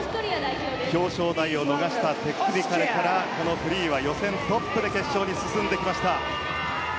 表彰台を逃したテクニカルからこのフリーは予選トップで決勝に進みました。